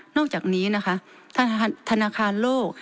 อกจากนี้นะคะธนาคารโลก